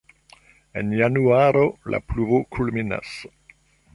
En januaro la pluvo kulminas.